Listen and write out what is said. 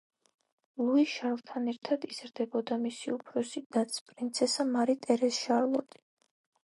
ლუი შარლთან ერთად იზრდებოდა მისი უფროსი დაც, პრინცესა მარი ტერეზ შარლოტი.